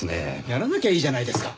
やらなきゃいいじゃないですか。